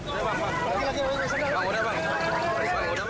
udah bang udah bang